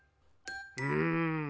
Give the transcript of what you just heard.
うん。